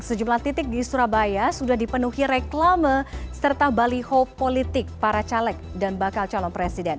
sejumlah titik di surabaya sudah dipenuhi reklame serta baliho politik para caleg dan bakal calon presiden